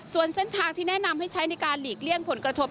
ส่วนเส้นทางที่แนะนำให้ใช้ในการหลีกเลี่ยงผลกระทบ